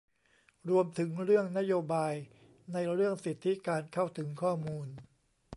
รวมถึงเรื่องนโยบายในเรื่องสิทธิการเข้าถึงข้อมูล